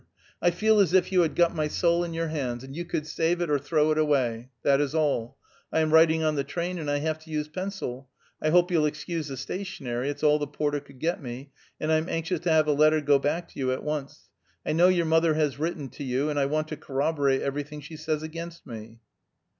I feel as if you had got my soul in your hands, and you could save it, or throw it away. That is all. I am writing on the train, and I have to use pencil. I hope you'll excuse the stationery; it's all the porter could get me, and I'm anxious to have a letter go back to you at once. I know your mother has written to you, and I want to corroborate everything she says against me."